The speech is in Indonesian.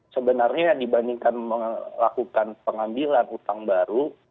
sebenarnya dibandingkan melakukan pengambilan utang baru